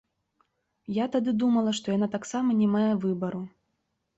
Я тады думала, што яна таксама не мае выбару.